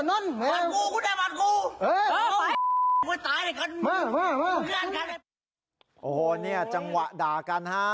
โอ้โหเนี่ยจังหวะด่ากันฮะ